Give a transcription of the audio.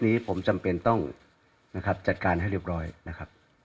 ในการหลงอาทิตย์ก็ยังมาเจอกันในนี้อีก